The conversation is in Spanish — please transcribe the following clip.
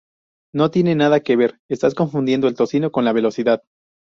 No tiene nada que ver, estás confundiendo el tocino con la velocidad